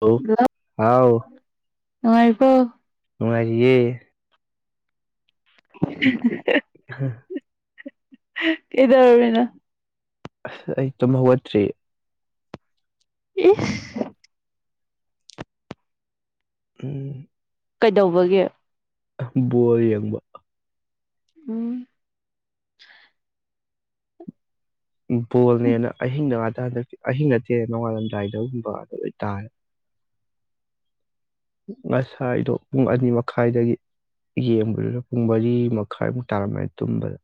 ꯍꯂ ꯍꯜꯂꯣ ꯍꯥꯎ ꯅꯨꯡꯉꯥꯏꯔꯤꯕꯣ ꯍꯨꯔꯤꯦ ꯀꯗ ꯑꯣꯏꯃꯤꯅ ꯑꯁ ꯑꯩ ꯇꯨꯝ ꯍꯧꯒꯠꯇ꯭ꯔꯤ ꯏ ꯎꯝ ꯀꯩꯗꯧꯕꯒꯤꯦ ꯕꯣ ꯌꯦꯡꯕ ꯎꯝ ꯕꯣꯜꯅꯦꯅ ꯑꯍꯤꯡ ꯅ ꯍꯟꯗꯛꯇꯤ ꯑꯍꯤꯡ ꯅꯠꯇꯦ ꯅꯣꯡꯉꯥꯜꯂꯝꯗꯥꯏꯗꯒꯨꯝꯕ ꯑꯗꯨ ꯂꯣꯏ ꯇꯥꯔꯦ [unintelligible] ꯉꯁꯥꯏ ꯍꯥꯏꯗꯣ ꯄꯨꯡ ꯑꯅꯤ ꯃꯈꯥꯏꯗꯒꯤ ꯌꯦꯡꯕꯗꯨꯗ ꯄꯨꯡ ꯃꯔꯤ ꯃꯈꯥꯏꯃꯨꯛ ꯇꯥꯔꯝꯃꯦ ꯇꯨꯝꯕꯗ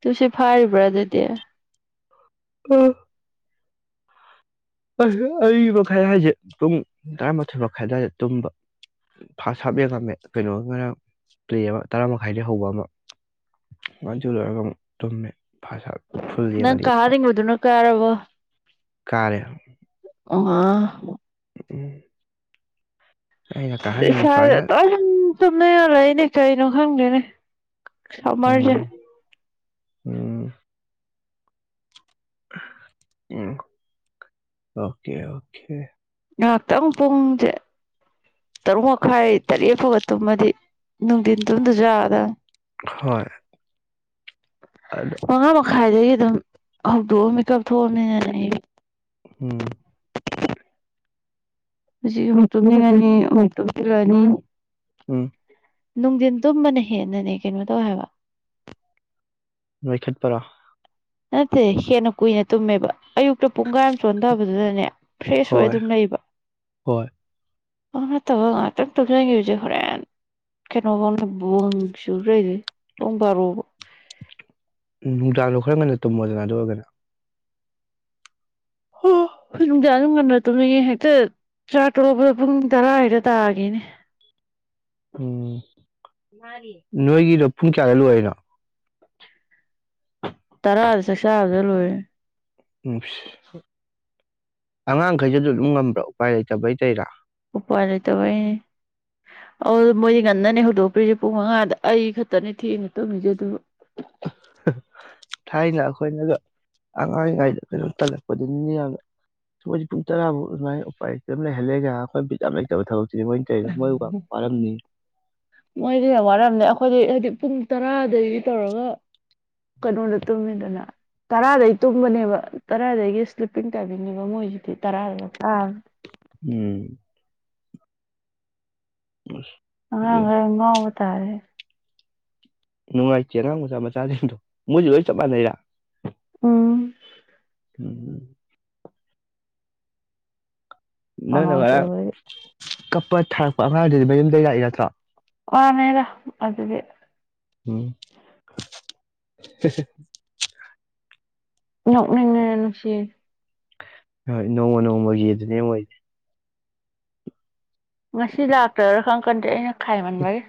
ꯇꯨꯁ ꯐꯥꯔꯤꯕ꯭ꯔꯥ ꯑꯗꯨꯗꯤ ꯎꯝ ꯑ ꯑꯔꯤꯕ ꯃꯈꯥꯏ ꯍꯥꯏꯁꯦ ꯄꯨꯡ ꯇꯔꯥꯃꯥꯊꯣꯏ ꯃꯈꯥꯏ ꯑꯗꯨꯋꯥꯏꯗ ꯇꯨꯝꯕ ꯐꯥꯔꯁ ꯍꯥꯞ ꯌꯦꯦ ꯍꯥꯝꯃꯦ ꯀꯩꯅꯣꯅ ꯄ꯭ꯂꯦ ꯑꯃ ꯇꯔꯥ ꯃꯈꯥꯏꯗꯒꯤ ꯍꯧꯕ ꯑꯃ ꯃꯖꯂꯒꯠꯇꯣꯃꯦ ꯐꯁ ꯅꯪ ꯐꯨꯜꯉꯗꯤ ꯀꯥꯍꯟꯅꯤꯡꯕꯗꯨꯅ ꯀꯥꯔꯕꯣ ꯀꯥꯔꯦ ꯑꯣ ꯎꯝ ꯑꯩꯅ ꯀꯥꯍꯟꯅꯤꯡꯕ ꯁꯨꯃꯥꯏꯅ ꯝ ꯆꯨꯝꯅ ꯌꯥꯔꯣꯏ ꯑꯩꯅꯦ ꯀꯩꯅꯣ ꯈꯪꯗꯦꯅꯦ ꯁꯔꯖ ꯎꯝ ꯎꯝ ꯎꯝ ꯑꯣꯀꯦ ꯑꯣꯀꯦ ꯉꯥꯏꯍꯥꯛꯇꯪ ꯄꯨꯡꯁꯦ ꯇꯔꯨꯛ ꯃꯈꯥꯏ ꯇꯔꯦꯠ ꯐꯥꯎꯕ ꯇꯨꯝꯃꯗꯤ ꯅ ꯇꯗ ꯌꯥꯗ ꯍꯣꯏ ꯑꯗꯣ ꯈꯥꯏꯏꯗꯒꯤ ꯑꯗꯨꯝ ꯍꯧꯗꯣꯛꯑ ꯃꯦꯀꯞ ꯊꯣꯛꯑꯕꯅꯤꯅꯅꯦ ꯑꯩ ꯎꯝ ꯍꯧꯨ ꯇꯨꯝꯒꯅꯤ ꯇꯨꯝꯂꯅꯤ ꯎꯝ ꯅꯨꯡꯊꯤꯟ ꯇꯨꯝꯕꯅ ꯍꯦꯟꯅꯅꯦ ꯀꯩꯅꯣ ꯇꯧ ꯍꯥꯏꯕ ꯂꯣꯏꯈꯠꯄꯔꯥ ꯅꯠꯇꯦ ꯍꯦꯟꯅ ꯀꯨꯏꯅ ꯇꯨꯝꯃꯦꯕ ꯑꯌꯨꯛꯇ ꯄꯨꯡ ꯀꯥꯏꯝ ꯆꯣꯟꯊꯕꯗꯨꯗꯅꯦ ꯐ꯭ꯔꯦꯁ ꯑꯣꯏ ꯍꯣꯏ ꯑꯗꯨꯝ ꯂꯩꯕ ꯍꯣꯏ ꯑꯣꯠꯇꯕ ꯉꯥꯛꯇꯪ ꯇꯧꯖꯒꯤꯦ ꯍꯧꯖꯤꯛ ꯍꯣꯔꯦꯟꯦꯟ ꯀꯩꯅꯣꯕ ꯑꯃꯅ ꯪ ꯁꯨ꯭ꯔ ꯄꯕꯔꯣ ꯎꯝ ꯅꯨꯡꯗꯥꯡꯗꯣ ꯈꯔ ꯉꯟꯅ ꯇꯨꯝꯃꯣꯗꯅ ꯑꯗꯨ ꯑꯣꯏꯔꯒꯅ ꯍꯝ ꯅꯨꯡꯗ ꯑꯗꯨꯝ ꯉꯟꯅ ꯇꯨꯝꯅꯤꯡꯉꯦ ꯍꯦꯛꯇ ꯆꯥ ꯇꯣꯂꯛꯄꯗ ꯄꯨꯡ ꯇꯔꯥ ꯍꯗ ꯇꯥꯒꯦꯅꯦ [unintelligible] ꯎꯝ ꯅꯣꯏꯒꯤꯗꯣ ꯄꯨꯡ ꯀꯌꯥꯒꯂꯨ ꯍꯥꯏꯅꯣ ꯇꯔꯥꯗ ꯆ ꯆꯗ ꯂꯣꯏꯔꯦ ꯎꯝ ꯑꯉꯥꯡꯈꯩꯁꯨꯁꯨ ꯑꯗꯨꯝ ꯉꯝꯕ꯭ꯔꯣ ꯎꯄꯥꯏ ꯂꯩꯇꯕꯩ ꯇꯩꯔꯥ ꯎꯄꯔ ꯇꯕꯥꯏꯅꯤ ꯑ ꯃꯣꯏꯗꯤ ꯉꯟꯅꯅꯦ ꯍꯧꯗꯣꯛꯄꯤꯔꯤꯁꯦ ꯄꯨꯡ ꯃꯉꯥꯗ ꯑꯩ ꯈꯛꯇꯅꯦ ꯊꯦꯡꯅ ꯇꯧꯃꯤꯁꯦ ꯑꯗꯨꯕꯨ [unintelligible] ꯊꯥꯏꯅ ꯑꯩꯈꯣꯏꯅꯒ ꯑꯉꯥꯡꯔꯤꯉꯩꯗ ꯀꯩꯅꯣ ꯇꯜꯂꯛꯄꯗꯨꯅꯤ ꯌꯥꯝꯅ ꯁꯣꯏꯁꯦ ꯄꯨꯡ ꯇꯔꯥꯐꯥꯎ ꯑꯗꯨꯃꯥꯏ ꯎꯄꯥꯏꯝ ꯂꯩꯍꯜꯂꯦꯒ ꯑꯩꯈꯣꯏ ꯌꯥꯝ ꯂꯩꯇꯕ ꯊꯕꯛ ꯃꯣꯏꯗꯤꯅ ꯋꯥꯔꯝꯅꯦ ꯑꯩꯈꯣꯏꯗꯤ ꯍꯥꯏꯗꯤ ꯄꯨꯡ ꯇꯔꯥꯗꯒꯤ ꯇꯧꯔꯒ ꯀꯩꯅꯣꯗ ꯇꯨꯝꯃꯤꯗꯅ ꯇꯔꯥꯗꯒꯤ ꯇꯨꯝꯕꯅꯦꯕ ꯇꯔꯥꯗꯒꯤ ꯁ꯭ꯂꯤꯞꯄꯤꯡ ꯇꯥꯏꯕꯤꯅꯦꯕ ꯃꯣꯏꯁꯤꯗꯤ ꯇꯔꯥ ꯎꯝ ꯑ ꯑꯗꯨꯅꯤ. ꯉ ꯉꯥꯎꯕ ꯇꯔꯦ ꯅꯅꯨꯡ ꯑꯏ ꯆꯦ ꯅ ꯃꯨꯁ ꯃ ꯆꯥꯖꯗꯣ ꯃꯨꯁꯨ ꯌ ꯆꯄ ꯅꯔ ꯎꯝ ꯅꯪꯅ ꯉꯔꯥꯡ ꯀꯩꯅꯣꯁꯨꯣꯏ ꯀꯞꯄ ꯊꯥꯔꯛꯄ ꯑꯉꯥꯡꯗꯨꯗꯤ ꯃ ꯑꯗꯨꯨꯝ ꯂꯩꯔꯛꯏ ꯅꯠꯇ꯭ꯔꯥ ꯋꯥꯅꯦꯔ ꯑꯗꯨꯗꯤ ꯎꯝ ꯅꯣꯛꯅꯤꯡꯅꯔ ꯅꯨꯡꯁꯤꯔ ꯍꯣꯏ ꯅꯣꯡꯃ ꯅꯣꯡꯃꯒꯤ ꯑꯗꯨꯅꯦ ꯑꯣꯏꯁꯦ ꯉꯁꯤ ꯂꯥꯛꯇ꯭ꯔꯥ ꯈꯪ ꯀꯟꯗꯦ ꯑꯩꯅ ꯈꯥꯏꯃꯟꯕꯒꯤ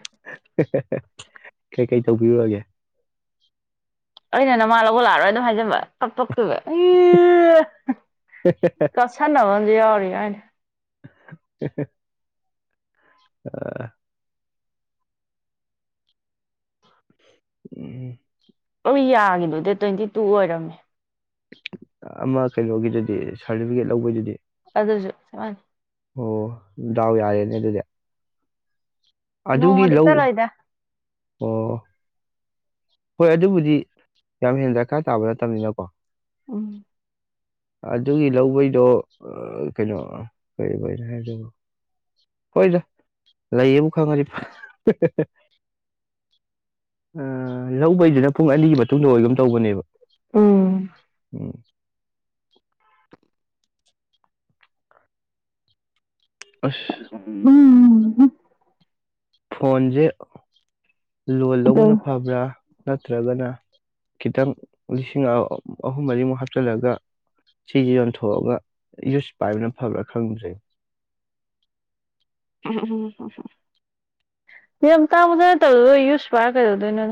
ꯀ ꯀꯩ ꯇꯧꯕꯤꯔꯨꯔꯒꯦ ꯑꯩꯅ ꯅꯃꯥ ꯂꯧꯕ ꯂꯥꯛꯑꯔꯣꯏ ꯑꯗꯨꯝ ꯍꯥꯏꯖꯟꯕ ꯐꯛ ꯏ ꯀꯁꯟꯅꯕꯁ ꯌꯥꯎꯔꯤ ꯀꯥꯏꯅ [inaudible] ꯑ ꯎꯝꯝ ꯑꯩꯈꯣꯏ ꯌꯥꯒꯤꯗꯣ ꯗꯦ ꯇ꯭ꯋꯦꯟꯇꯤ ꯇꯨ ꯑꯣꯏꯔꯝꯃꯦ ꯑꯃ ꯀꯩꯅꯣꯒꯤꯗꯨꯗꯤ ꯁꯥꯔꯇꯤꯐꯤꯀꯦꯠ ꯂꯧꯕꯩꯗꯨꯗꯤ ꯑꯗꯨꯁꯨ ꯁꯃ ꯑꯣ ꯗꯥꯎ ꯌꯥꯔꯦꯅꯦ ꯑꯗꯨꯗꯤ ꯑꯗꯨꯒꯤ ꯅꯣꯡꯃꯗ ꯂꯧ ꯆꯂꯣ ꯏꯗ ꯑꯣ ꯍꯣꯏ ꯑꯗꯨꯕꯨꯗꯤ ꯌꯥꯝ ꯍꯦꯟꯅ ꯗꯔꯀꯥꯔ ꯇꯥꯕ ꯅꯠꯇꯕꯅꯤꯅꯀꯣ ꯎꯝ ꯑꯗꯨꯒꯤ ꯂꯧꯕꯩꯗꯣ ꯀꯩꯅꯣ ꯀꯩꯅꯣ ꯍꯥꯏ ꯍꯣꯏꯗ ꯂꯩꯌꯦꯕꯨ ꯈꯪꯉꯗꯤ ꯂꯧꯕꯩꯁꯤꯅ ꯄꯨꯡ ꯑꯅꯤꯒꯤ ꯃꯇꯨꯡꯗ ꯑꯣꯏꯒꯨꯝ ꯇꯧꯕꯅꯦꯕ ꯎꯝ ꯎꯝ ꯑꯁ ꯎꯝ ꯐꯣꯟꯁꯦ ꯂꯣꯟ ꯂꯧꯕꯅ ꯐꯕ꯭ꯔꯥ ꯅꯠꯇ꯭ꯔꯒꯅ ꯈꯤꯇꯪ ꯂꯤꯁꯤꯡ ꯑꯍꯨꯝ ꯃꯔꯤꯃꯨꯛ ꯍꯥꯞꯆꯤꯜꯂꯒ ꯁꯤꯁ ꯌꯣꯟꯊꯣꯛꯑꯒ ꯌꯨꯁ ꯄꯥꯏꯕꯅ ꯐꯕ꯭ꯔꯥ ꯈꯪꯗ꯭ꯔꯦ ꯎ ꯌꯥꯝ ꯇꯥꯡꯕꯗꯅ ꯇꯧꯔꯗꯣꯏ ꯌꯨꯁꯄꯥꯥꯏ ꯀꯩꯗꯧꯗꯣꯏꯅꯣ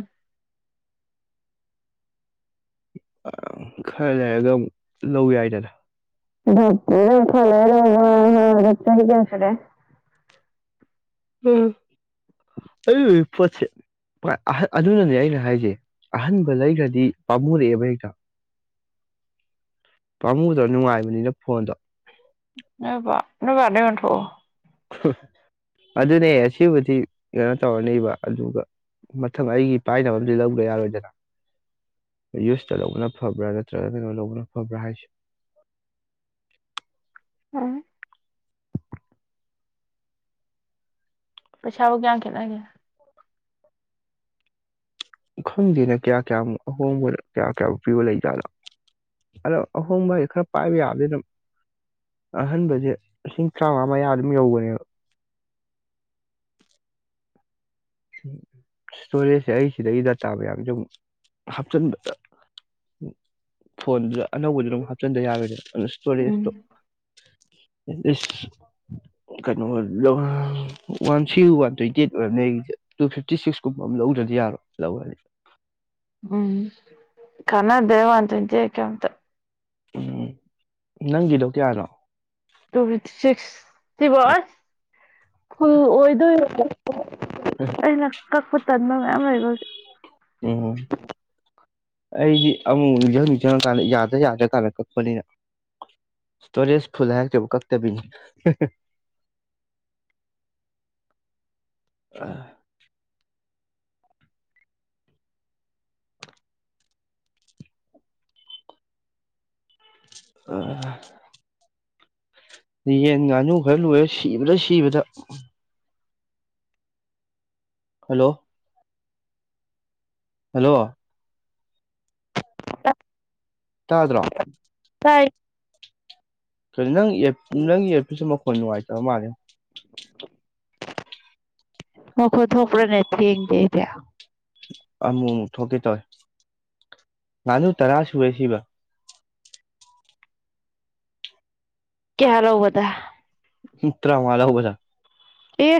ꯑ ꯈꯔ ꯂꯩꯔꯒ ꯑꯃꯨꯛ ꯂꯧ ꯌꯥꯏꯗꯅ ꯐ ꯆ ꯍ ꯀꯁꯗꯦ [inaudible] ꯎꯝ ꯑ ꯄꯦ ꯑꯗꯨꯅꯅꯦ ꯑꯩꯅ ꯍꯥꯏꯁꯦ ꯑꯍꯟꯕ ꯂꯩꯈ꯭ꯔꯗꯤ ꯄꯥꯝꯃꯨꯔꯛꯑꯦꯕ ꯍꯒ ꯄꯥꯃꯨꯗ ꯅꯨꯡꯉꯥꯏꯕꯅꯤꯅ ꯐꯣꯟꯗꯣ ꯄꯅꯦ [unintelligible] ꯑꯗꯨꯅꯦ ꯑꯁꯤꯕꯨꯗꯤ ꯀꯩꯅꯣ ꯇꯧꯔꯅꯦꯕ ꯑꯗꯨꯒ ꯃꯊꯪ ꯑꯩꯒꯤ ꯄꯥꯏꯅꯕ ꯑꯃꯗꯤꯝꯗꯤ ꯂꯧꯕ꯭ꯔꯥ ꯌꯥꯔꯣꯏꯗꯅ ꯌꯨꯁꯇ ꯂꯧꯕꯅ ꯐꯕ꯭ꯔꯥ ꯅꯠꯇ꯭ꯔꯒ ꯀꯩꯅꯣ ꯂꯧꯕꯅ ꯐꯕ꯭ꯔꯥ ꯍꯥꯏꯁꯦ ꯎꯝ ꯄꯆꯥꯥꯣ ꯀꯌꯥ ꯀꯅꯒ ꯈꯪꯗꯦꯅ ꯀꯌꯥ ꯀꯌꯥꯃꯨꯛ ꯑꯍꯣꯡꯕ ꯀꯌꯥ ꯀꯌꯥꯃꯨꯛ ꯄꯤꯕ ꯂꯩꯖꯥꯠꯅꯣ ꯑꯗꯣ ꯑꯍꯣꯡꯕ ꯍꯥꯏꯗꯤ ꯈꯔ ꯄꯥꯏꯕ ꯌꯥꯕꯗꯤ ꯑꯗꯨꯝ ꯑꯍꯟꯕꯁꯦ ꯂꯤꯁꯤꯡ ꯇꯔꯥꯃꯉꯥ ꯃꯌꯥ ꯑꯗꯨꯝ ꯌꯧꯕꯅꯦꯕ ꯎ ꯏꯁꯇꯣꯔꯦꯖꯁꯦ ꯑꯩ ꯁꯤꯗꯗꯒꯤ ꯗꯥꯇꯥ ꯃꯌꯥꯝꯁꯦ ꯍꯥꯞꯆꯤꯟꯕꯗ ꯎ ꯐꯣꯟꯗꯨꯗ ꯑꯅꯧꯕꯗꯨ ꯑꯗꯨꯝ ꯆꯟꯗ ꯌꯥꯔꯗꯤ ꯑꯗꯨ ꯁꯇꯣꯔꯤꯁꯇꯣ ꯎꯝ ꯀꯩꯅꯣ ꯋꯥꯟ ꯁꯤ꯭ ꯋꯥꯟ ꯇ꯭ꯋꯦꯟꯇꯤ ꯑꯩꯠ ꯑꯣꯏꯔꯝ ꯂꯩ ꯑꯩꯔꯤꯁꯦ ꯇꯨ ꯐꯤꯞꯇꯤ ꯁꯤꯛꯁ ꯀꯨꯝꯕ ꯑꯃ ꯂꯧꯗ꯭ꯔꯗꯤ ꯌꯥꯔꯣꯏ ꯂꯧꯔꯅꯤ ꯎꯝ ꯀꯟꯅ ꯗꯦꯋꯥꯇ ꯏꯟꯇꯑ ꯀꯦꯇ ꯎꯝ ꯅꯪꯒꯤꯗꯣ ꯀꯌꯥꯅꯣ ꯇꯨ ꯐꯤꯇꯤ ꯁꯤꯛꯁ ꯁꯤꯕ ꯑꯁ ꯐꯨꯜ ꯑꯣꯏꯗꯣꯏꯔ ꯑꯩꯅ ꯀꯛꯄ ꯇꯟꯕ ꯃꯌꯥꯝ ꯂꯩꯕꯦ ꯎꯝ ꯑꯩꯗꯤ ꯑꯃꯨꯛ ꯅꯤꯡꯖ ꯖ ꯌꯥꯗ꯭ꯔ ꯌꯥꯗ꯭ꯔ ꯇꯥꯜꯂꯛ ꯀꯛꯄꯅꯤꯅ ꯁꯇꯨꯔꯦꯁ ꯐꯨꯜ ꯍꯥꯏ ꯆꯕꯨ ꯀꯥꯛꯇꯕꯤꯅꯤ [inaudible] ꯑ ꯑꯣ ꯌꯦꯟ ꯉꯥꯅꯨ ꯈꯔ ꯂꯣꯏꯔꯦ ꯁꯤꯕꯗ ꯁꯤꯕꯗ ꯍꯜꯂꯣ ꯍꯜꯂꯣ ꯑ [unintelligible] ꯑꯗꯨ꯭ꯔꯣ ꯇꯥꯏ ꯅꯪ ꯅꯪꯒꯤ ꯑꯦꯔꯄꯤꯜꯁꯦ ꯃꯈꯣꯟ ꯅꯨꯡꯉꯥꯏꯇꯕ ꯃꯥꯜꯂꯦ ꯃꯈ ꯃꯈ ꯊꯄꯔ ꯅꯠꯇ꯭ꯔꯤ ꯏꯗꯗꯌꯥ ꯑꯃꯨꯛ ꯑꯃꯨꯛ ꯊꯣꯛꯀꯦ ꯇꯧꯔꯦ ꯉꯥꯅꯨ ꯇꯔꯥ ꯁꯨꯔꯦ ꯁꯤꯕ ꯀꯌꯥꯂꯧꯕꯗ ꯎ ꯇ꯭ꯔꯃꯂꯍꯕꯂ ꯑꯦ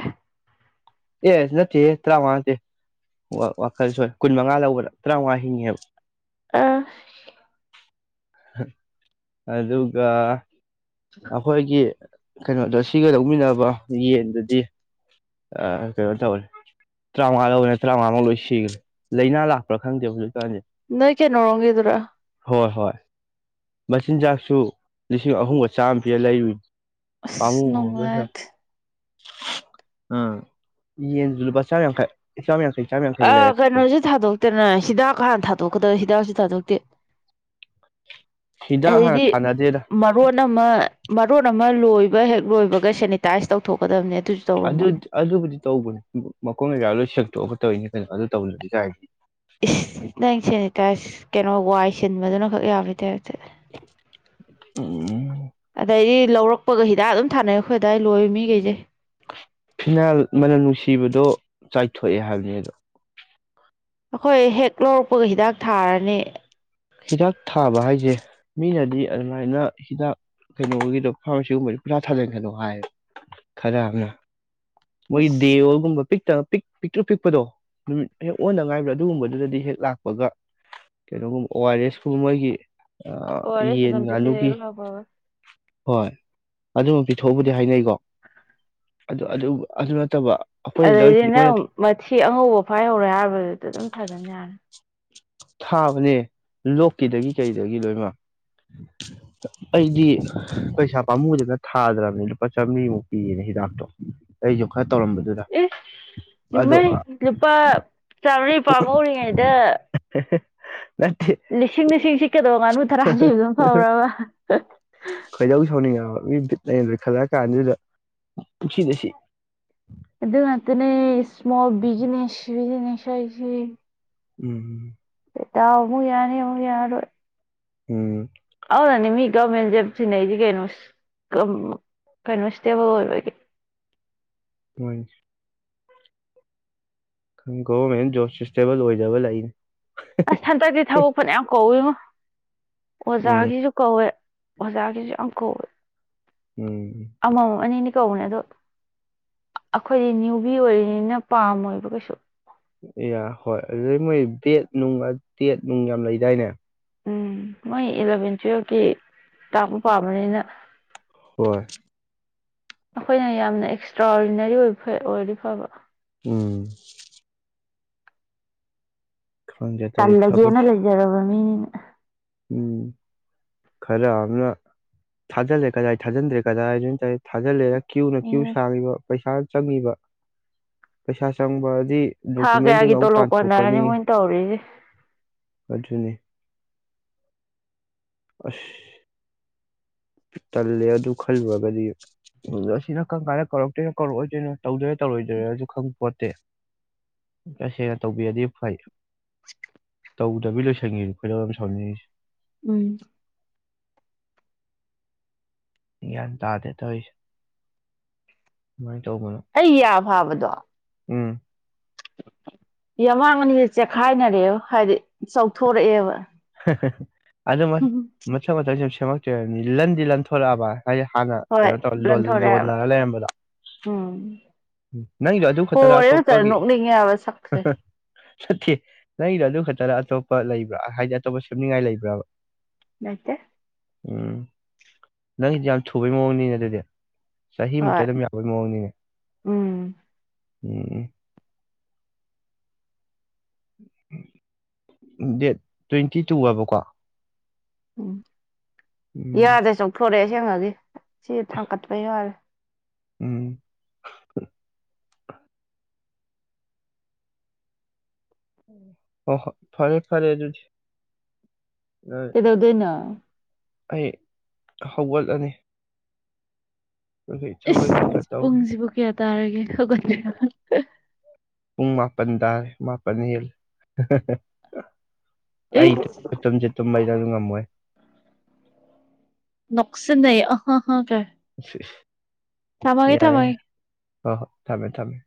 ꯑꯦ ꯅ ꯑꯦ ꯇ꯭ꯔꯥ ꯋꯥꯇꯦ ꯋꯥꯈꯜ ꯁꯣꯏ ꯀꯨꯟ ꯃꯉꯥ ꯂꯧꯕꯗꯥ ꯇꯔꯥꯃꯉꯥ ꯍꯤꯡꯉꯦꯕ ꯑꯥ ꯑꯗꯨꯒ ꯑꯩꯈꯣꯏꯒꯤ ꯀꯩꯅꯣꯗꯣ ꯁꯤꯒ ꯂꯧꯃꯤꯟꯅꯕ ꯌꯦꯟꯗꯨꯗꯤ ꯀꯩꯅꯣ ꯇꯧꯅꯤ ꯇꯔꯥꯃꯉꯥ ꯂꯧ ꯑꯣꯏꯅꯅ ꯇꯔꯥꯃꯉꯥꯃ ꯂꯣꯏ ꯁꯤꯈ꯭ꯔꯦ ꯂꯥꯏꯅꯥ ꯂꯥꯛꯄ꯭ꯔꯥ ꯈꯪꯗꯦꯕ ꯍꯧꯖꯤꯛ ꯀꯥꯟꯗꯤ ꯅꯣꯏ ꯀꯌꯥꯩꯅꯔꯣꯡꯒꯦꯗꯨꯔꯥ ꯍꯣꯏ ꯍꯣꯏ ꯃꯆꯤꯟꯖꯥꯛꯁꯨ ꯂꯤꯁꯤꯡ ꯑꯍꯨꯝꯒ ꯆꯥꯝꯃ ꯄꯤꯔ ꯂꯩꯔꯨ ꯑꯁ ꯄꯉꯨꯁꯦ ꯅꯨꯡꯉꯥꯏꯇꯦ ꯑ ꯌꯦ ꯏꯂ ꯀ [unintelligible] ꯑ ꯀꯩꯅꯣꯁꯨꯦ ꯊꯥꯗꯣꯛꯇꯅ ꯍꯤꯗꯥꯛ ꯀꯥꯟꯅ ꯊꯥꯗꯣꯛꯀꯗꯧ ꯎꯁꯤ ꯊꯥꯗꯣꯛꯇꯦ ꯍꯤꯗꯥꯛ ꯍꯥꯟꯅ ꯑꯗꯨꯩꯗꯤ ꯊꯥꯅꯗꯦꯗ ꯃꯔꯣꯟ ꯑꯃ ꯃꯔꯣꯟ ꯑꯃ ꯂꯣꯏꯕ ꯍꯦꯛ ꯂꯣꯏꯕꯒ ꯁꯦꯅꯤꯇꯥꯏꯁ ꯇꯧꯊꯣꯛꯀꯗꯕꯅꯦ ꯑꯗꯨꯁꯨ ꯑꯗꯨ ꯇꯧꯔꯝꯃꯣꯏ ꯑꯗꯨꯕꯨꯗꯤ ꯇꯧꯕꯅꯤ ꯃꯈꯣꯡꯅ ꯌꯥ ꯂꯣꯏ ꯁꯦꯛꯇꯣꯛꯑꯒ ꯇꯧꯔꯤꯅꯤ ꯀꯩꯅꯣ ꯑꯗꯨ ꯇꯧꯕꯅꯗꯤ ꯀꯥꯏꯔꯗꯤ ꯏꯁ ꯅꯪ ꯁꯦꯅꯤꯇꯥꯏꯁ ꯀꯩꯅꯣ ꯋꯥꯏ ꯁꯤꯟꯕꯗꯨꯅ ꯈꯛ ꯌꯥꯕ ꯇ ꯎꯝ ꯀꯗꯤ ꯂꯧꯔꯛꯄꯒ ꯍꯤꯗꯥꯛ ꯑꯗꯨꯝ ꯊꯥꯅꯩ ꯑꯩꯈꯣꯏ ꯑꯗꯥꯋꯥꯏ ꯂꯣꯏꯔ ꯃꯤ ꯀꯩꯖꯦ ꯐꯤꯅꯥꯏꯜ ꯃꯅꯝ ꯅꯨꯡꯁꯤꯕꯗꯣ ꯆꯥꯏꯊꯣꯛꯑꯦ ꯍꯥꯏꯕꯅꯤ ꯑꯗꯣ ꯑꯩꯈꯣꯏ ꯍꯦꯛ ꯂꯧꯔꯛꯄꯒ ꯍꯤꯗꯥꯛ ꯊꯥꯔꯅꯤ ꯍꯤꯗꯥꯛ ꯊꯥꯕ ꯍꯥꯏꯁꯦ ꯃꯤꯅꯗꯤ ꯑꯗꯨꯃꯥꯏꯅ ꯍꯤꯗꯥꯛ ꯀꯩꯅꯣꯒꯤꯗꯣ ꯐꯥꯔꯃꯥꯁꯤꯒꯨꯝꯕꯁ ꯄꯨꯔꯥ ꯊꯥꯖꯤꯟ ꯀꯗꯣ ꯍꯥꯏꯌꯦꯕ ꯈꯔꯅ ꯃꯣꯏ ꯑꯁ ꯗꯦꯋꯒꯨꯝꯕ ꯄꯤꯛꯇ ꯄꯤꯛ ꯄꯤꯛꯇ꯭ꯔꯨ ꯄꯤꯛꯄꯗꯣ ꯅꯨꯃꯤꯠ ꯍꯦꯛ ꯑꯣꯟꯅ ꯉꯥꯏꯕ꯭ꯔꯥ ꯑꯗꯨꯒꯨꯝꯕꯗꯨꯗꯗꯤ ꯍꯦꯛ ꯂꯥꯛꯄꯒ ꯀꯩꯅꯣꯒꯨꯝꯕ ꯑꯣ ꯑꯥꯔ ꯑꯦꯁꯀꯨꯝꯕ ꯃꯣꯏꯒꯤ ꯑꯣ ꯑꯥꯔ ꯑꯦꯁ ꯌꯦꯟ ꯑꯗꯨꯝ ꯄꯤꯊꯛꯑꯦ ꯉꯥꯅꯨꯒꯤ ꯑꯗꯨꯒ ꯐꯕꯅꯤ ꯍꯣꯏ ꯑꯗꯨꯝ ꯄꯤꯊꯣꯛꯎꯕꯨꯗꯤ ꯍꯥꯏꯅꯩꯀꯣ ꯑꯗꯨ ꯑꯗꯨ ꯑꯗꯨ ꯅꯠꯇꯕ ꯑꯩꯈꯣꯏ ꯂꯣꯏ ꯑꯗꯨꯗꯩꯗꯤ ꯅꯪ ꯃꯣꯏꯅ ꯃꯊꯤ ꯑꯉꯧꯕ ꯐꯥꯏꯍꯧꯔꯦ ꯍꯥꯏꯔꯕꯗꯨꯗ ꯑꯗꯨꯝ ꯐꯥꯗꯅ ꯌꯥꯔꯦ ꯊꯥꯕꯅꯦ ꯂꯣꯛꯀꯤꯗꯒꯤ ꯀꯩꯗꯒꯤ ꯂꯣꯏꯃ ꯑꯩꯗꯤ ꯄꯩꯁꯥ ꯄꯥꯝꯃꯨꯗꯨꯅ ꯊꯥꯗ꯭ꯔꯕꯅꯤ ꯂꯨꯄꯥ ꯆꯥꯝꯔꯤꯃꯨꯛ ꯄꯤꯔꯦ ꯗꯥꯛꯇꯣ ꯀꯩ ꯌꯣꯈꯠ ꯑꯦ ꯏꯃꯦ ꯂꯨꯄꯥ ꯆꯥꯃꯔꯤ ꯄꯥꯝꯍꯧꯔꯤꯉꯩꯗ ꯍ ꯂꯤꯁꯤꯡ ꯂꯤꯁꯤꯡ ꯁꯤꯠꯀꯗꯧꯕ ꯉꯥꯅꯨ ꯇꯔꯥꯗꯤ ꯑꯗꯨꯝ ꯐꯧꯔꯕ ꯠ ꯂꯩꯗ꯭ꯔꯦ ꯈꯜꯂꯛꯑ ꯀꯥꯟꯁꯤꯗ ꯄꯨꯟꯁꯤꯗ ꯁꯤ ꯑꯗꯨ ꯃꯥꯇꯅꯦ ꯏꯁꯃꯣꯜ ꯕꯤꯖꯤꯁꯖꯤꯁ ꯍꯥꯏꯁꯤ ꯎꯝ ꯎꯝ ꯠꯇꯥꯎ ꯑꯃ ꯌꯥꯅꯦ ꯌꯥꯅ ꯎꯝ ꯍꯧꯗꯅꯤ ꯃꯤ ꯧꯃꯦꯟ ꯖꯞꯁꯤ ꯅꯗꯤꯒꯦꯩꯅ ꯀꯟꯣꯁꯇꯦꯕꯜꯜ ꯑꯣꯏꯗꯤ ꯃꯣꯏ ꯈꯪꯒꯣꯦꯟ ꯣꯁꯁꯇꯦꯕꯜ ꯑꯣꯏꯖꯕ ꯂꯥꯏꯟ ꯑꯁ ꯍꯟꯗꯛꯇꯤ ꯊꯕꯛꯄꯅ ꯌꯥꯝ ꯀꯧꯏꯣ ꯎꯝ ꯑꯣꯖꯥꯒꯤꯁꯨ ꯀꯧꯋꯦ ꯑꯣꯖꯥꯒꯤꯁꯨ ꯌꯥꯝ ꯀꯧꯋꯦ ꯎꯝ ꯑꯃ ꯑ ꯀꯧꯅꯦ ꯑꯗꯣ ꯑꯩꯈꯣꯏꯗꯤ ꯭ꯨꯕꯤ ꯑꯣꯏꯔꯤꯅꯤꯅ ꯄꯥꯝꯃꯣꯏꯕ ꯀꯩꯁꯨ ꯏ ꯍꯣꯏ ꯑꯗꯨꯗꯩ ꯃꯣꯏ ꯕꯦꯠ ꯅꯨꯡ ꯇꯦꯠ ꯅꯨꯡ ꯌꯥꯝ ꯂꯩꯗꯥꯏꯅꯦ ꯎꯝ ꯃꯣꯏ ꯏꯂꯚꯦꯟ ꯇꯨꯋꯜꯕꯀꯤ ꯇꯥꯛꯄ ꯄꯥꯝꯕꯅꯤꯅ ꯍꯣꯏ ꯑꯩꯈꯣꯏꯅ ꯌꯥꯝꯅ ꯑꯦꯛꯁꯇ꯭ꯔꯥ ꯑꯣꯔꯗꯤꯅꯔꯤ ꯑꯣꯏꯕ ꯑꯣꯏꯔꯗꯤ ꯐꯕ ꯎꯝ ꯈꯪꯗꯦ ꯇꯔꯦ ꯀꯜꯒꯅ ꯊꯕꯛꯁꯦ ꯂꯩꯖꯔꯕ ꯃꯤ ꯎꯝ ꯈꯔ ꯑꯃꯅ ꯊꯥꯖꯤꯜꯂꯦ ꯀꯗꯥꯏ ꯊꯥꯖꯤꯟꯗ꯭ꯔꯦ ꯀꯗꯥꯏꯗ ꯊꯥꯖꯤꯜꯂꯦ ꯀ꯭ꯌꯨꯅ ꯀ꯭ꯌꯨ ꯎꯝ ꯁꯥꯡꯉꯤꯕ ꯄꯩꯁꯥ ꯆꯪꯉꯤꯕ ꯄꯩꯁꯥ ꯆꯪꯕ ꯁꯤ ꯊꯥ ꯗꯣꯀꯨꯃꯦꯟꯁꯤꯡ ꯀꯌꯥꯒꯤ ꯑꯃꯨꯛ ꯇꯣꯂꯣꯞ ꯀꯣꯟꯅꯔꯅꯤ ꯇꯥꯟꯊꯣꯛꯀꯅꯤ ꯃꯣꯏꯅ ꯇꯧꯔꯤꯁꯦ ꯑꯗꯨꯅꯤ ꯑꯁ ꯇꯜꯂꯦ ꯑꯗꯨ ꯈꯜꯂꯨꯔꯒꯗꯤ ꯑꯁꯤꯅ ꯀꯝ ꯀꯥꯏꯗ ꯀꯧꯔꯛꯇꯣꯏꯅꯣ ꯀꯧꯔꯛꯑꯣꯏꯗꯣꯏꯅꯣ ꯇꯧꯗꯣꯏ ꯇꯧꯔꯣꯏꯗ꯭ꯔꯔꯁꯨ ꯈꯪꯕ ꯄꯣꯠꯇꯦ ꯇꯁꯦꯡꯅ ꯇꯧꯕꯤꯔꯗꯤ ꯐꯩ ꯇꯧꯗꯕꯤ ꯂꯣꯏꯁꯪꯉꯤ ꯑꯩꯈꯣꯏ ꯂꯧꯧ ꯑꯃ ꯁꯥꯎꯅꯤꯡꯔꯤꯁꯦ ꯎꯝ ꯌꯥꯟ ꯇꯗꯦ ꯇ ꯑꯩ ꯌꯥ ꯐꯥꯕꯗꯣ ꯎꯝ ꯌꯥꯃꯥꯡ ꯑꯅꯤꯁꯦ ꯆꯦꯛꯈꯥꯏꯅꯔꯦꯕ ꯍꯥꯏꯗꯤ ꯆꯥꯎꯊꯣꯔꯛꯑꯦꯕ ꯑꯗꯨ ꯃꯊꯪ ꯃꯊꯪ ꯁꯨꯝ ꯁꯦꯝꯃꯛꯇꯦꯕꯅꯤ ꯂꯟꯗꯤ ꯂꯟꯊꯣꯔꯛꯑꯕ ꯑꯩ ꯍꯥꯟꯅ ꯍꯣꯏ ꯀꯩꯅꯣ ꯇꯧꯔ ꯂꯟꯊꯣꯔꯛꯑꯦꯕ ꯌꯣꯟꯅꯔ ꯂꯩꯔꯝꯕꯗꯣ ꯎꯝ ꯎ ꯅꯪꯗꯣ ꯑꯗꯨ ꯈꯛꯇꯔ ꯍꯣꯔꯦ ꯐꯖꯅ ꯑꯇꯣꯞꯄꯒꯤ ꯅꯣꯛꯅꯤꯡꯉꯦꯕ ꯁꯛꯁꯦ ꯆꯠꯇꯦ ꯅꯪꯗꯣ ꯑꯗꯨ ꯈꯛꯇꯅ ꯑꯇꯣꯞꯄ ꯂꯩꯕ꯭ꯔꯥ ꯍꯥꯏꯗꯤ ꯑꯇꯣꯞꯄ ꯁꯦꯝꯅꯤꯡꯉꯥꯏ ꯂꯩꯕ꯭ꯔꯥꯕ ꯥꯏꯠꯇꯦ ꯎꯝ ꯅꯪꯗꯤ ꯌꯥꯝ ꯊꯨꯕꯩ ꯃꯑꯣꯡꯅꯤꯅꯦ ꯑꯗꯨꯗꯤ ꯆꯍꯤꯃꯨꯛꯇ ꯍꯣꯏ ꯑꯗꯨꯝ ꯌꯥꯕꯩ ꯃꯑꯣꯡꯅꯤꯅꯦ ꯎꯝ ꯎꯝ ꯗꯦꯠ ꯇ꯭ꯋꯦꯟꯇꯤ ꯇꯨꯑꯕꯀꯣ ꯎꯝ ꯎꯝ ꯌꯥꯗ꯭ꯔꯦ ꯆꯧꯊꯣꯔꯛꯑꯦ ꯁꯦꯡꯉꯒꯦ ꯁꯤ ꯊꯥꯡꯒꯠꯄ ꯌꯥꯣꯔ ꯎꯝ ꯑꯣ ꯍ ꯐꯔꯦ ꯐꯔꯦ ꯑꯗꯨ ꯑꯗꯨ ꯀꯗꯧꯗꯅ ꯑꯩ ꯍꯧꯒꯠꯂꯅꯤ ꯑꯗꯨꯒꯤ ꯊꯕꯛ ꯏꯪꯈꯥꯡ ꯈꯔ ꯏꯁꯁ ꯇꯧꯒꯦ ꯄꯨꯡꯁꯤꯕꯨ ꯀꯌꯥ ꯇꯥꯔꯒꯦ ꯍꯧꯀꯠꯣ ꯎꯨꯡ ꯃꯥꯄꯟꯗꯔ ꯃꯥꯄꯟ ꯌꯦꯜ ꯑꯩ ꯏꯁ ꯇꯨꯝꯁꯦ ꯇꯨꯝꯕꯩꯗꯁꯨ ꯉꯝꯃꯣꯏ ꯅꯁꯤ ꯅ ꯑꯍ ꯑꯍꯥ ꯀ [unintelligible] ꯊꯝꯃꯒꯦ ꯊꯃꯒꯦ ꯍ ꯍꯣ ꯊꯝꯃꯦ ꯊꯝꯃꯦ